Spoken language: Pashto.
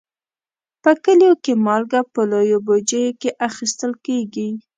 په کلیو کې مالګه په لویو بوجیو کې اخیستل کېږي.